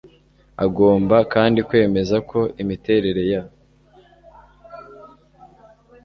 Agomba kandi kwemeza ko imiterere ya